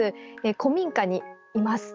古民家にいます。